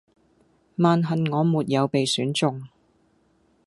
萬幸我沒有被選中